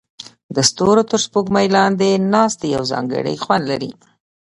د ستورو تر سپوږمۍ لاندې ناستې یو ځانګړی خوند لري.